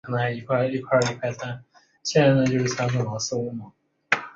现为香港古物古迹办事处考古学家。